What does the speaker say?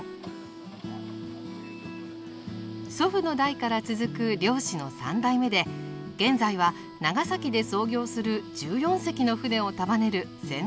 祖父の代から続く漁師の３代目で現在は長崎で操業する１４隻の船を束ねる船団長です。